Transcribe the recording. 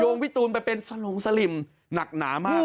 พี่ตูนไปเป็นสลงสลิมหนักหนามาก